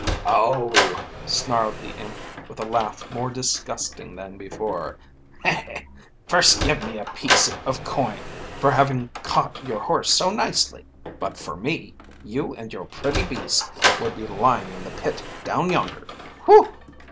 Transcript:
"'Oh,' snarled the imp, with a laugh more disgusting than before, 'first give me a piece of coin for having caught your horse so nicely; but for me, you and your pretty beast would be lying in the pit down yonder: whew!'